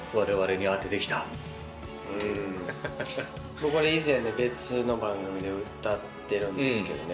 僕以前別の番組で歌ってるんですけどね。